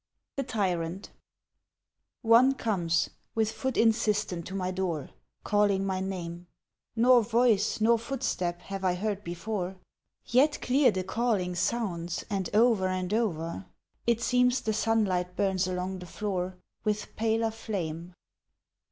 The Tyrant ONE comes with foot insistent to my door, Calling my name; Nor voice nor footstep have I heard before, Yet clear the calling sounds and o'er and o'er It seems the sunlight burns along the floor With paler flame!